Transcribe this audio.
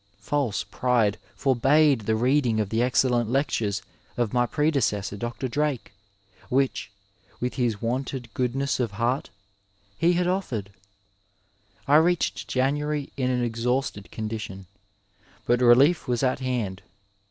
False pride forbade the reading of the excdlent lectures of my predecessor, Dr,' Drake, which, with his wonted goodness of heart, he had offered. I reached January in an exhausted condition, but relief was at hand.